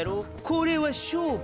これは勝負や。